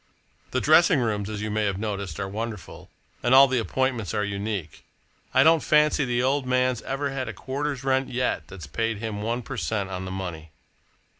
The dressing rooms, as you may have noticed, are wonderful, and all the appointments are unique. I don't fancy the old man's ever had a quarter's rent yet that's paid him one per cent, on the money.